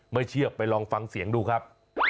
ไม่เชื่อไปลองฟังเสียงดูครับ